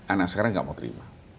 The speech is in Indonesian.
anak sekarang tidak mau terima